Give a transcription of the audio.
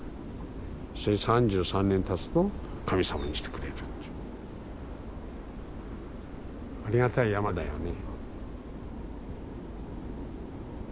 ３３年たつと神様にしてくれるというありがたい山だよね。